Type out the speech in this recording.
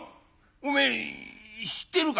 おめえ知ってるか？」。